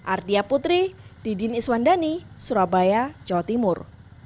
ardia putri didin iswandani surabaya jawa timur